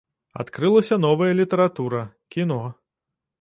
Адкрылася новая літаратура, кіно.